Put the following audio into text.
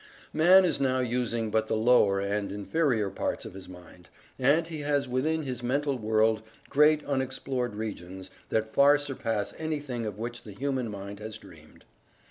Man is now using but the lower and inferior parts of his mind, and he has within his mental world great unexplored regions that far surpass anything of which the human mind has dreamed.